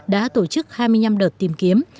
đã tổ chức hai mươi năm đợt tìm kiếm